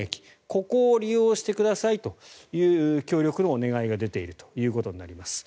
ここを利用してくださいという協力のお願いが出ているということになります。